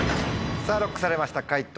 さぁＬＯＣＫされました解答